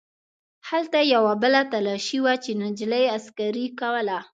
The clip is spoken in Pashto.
هلته یوه بله تلاشي وه چې نجلۍ عسکرې کوله.